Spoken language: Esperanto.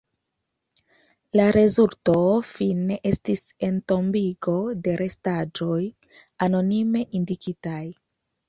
La rezulto, fine, estis entombigo de restaĵoj anonime indikitaj.